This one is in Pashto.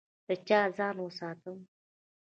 له چا ځان وساتم؟